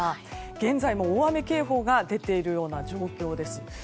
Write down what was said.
現在も大雨警報が出ているような状況です。